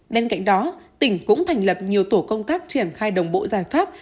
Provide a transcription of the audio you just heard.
bên cạnh đó tỉnh cũng thành lập nhiều tổ công tác triển khai đồng bộ giải pháp